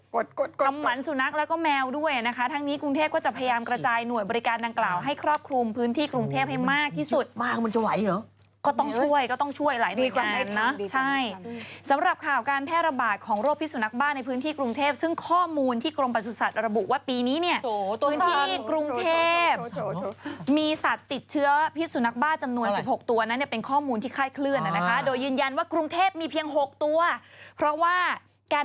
กดกดกดกดกดกดกดกดกดกดกดกดกดกดกดกดกดกดกดกดกดกดกดกดกดกดกดกดกดกดกดกดกดกดกดกดกดกดกดกดกดกดกดกดกดกดกดกดกดกดกดกดกดกดกด